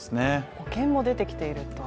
保険も出てきていると。